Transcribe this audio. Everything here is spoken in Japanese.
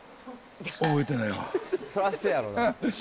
覚えてないわ。